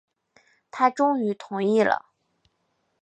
他终于同意了